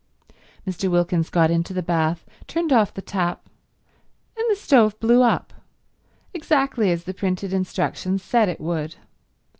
Mr. Wilkins got into the bath, turned off the tap, and the stove blew up, exactly as the printed instructions said it would.